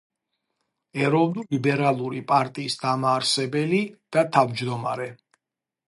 ეროვნულ-ლიბერალური პარტიის დამაარსებელი და თავმჯდომარე.